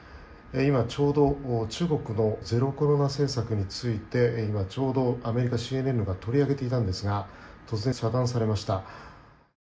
今ちょうど中国のゼロコロナ政策についてちょうどアメリカＣＮＮが取り上げていたんですが突然、遮断されました。